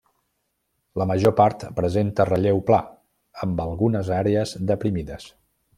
La major part presenta relleu pla amb algunes àrees deprimides.